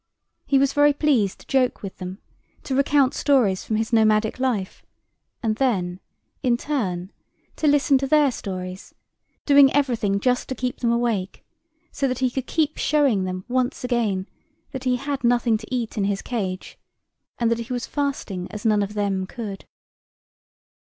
He was very pleased to joke with them, to recount stories from his nomadic life and then, in turn, to listen their stories—doing everything just to keep them awake, so that he could keep showing them once again that he had nothing to eat in his cage and that he was fasting as none of them could.